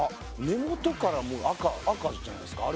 根元からもう赤赤じゃないですか。